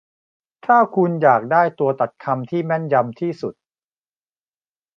ถ้าคุณอยากได้ตัวตัดคำที่แม่นยำที่สุด